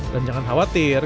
dan jangan khawatir